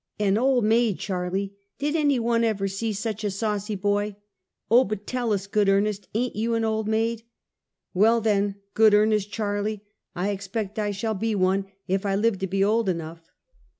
" An old maid, Charlie? Did any one ever see such a saucy boy ?"" Oh, but tell us, good earnest, ain't you an old maid?" "Well then, good earnest, Charlie, I expect I shall be one, if I live to be old enough."